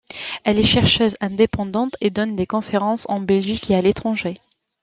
Elle est chercheuse indépendante et donne des conférences en Belgique et à l'étranger.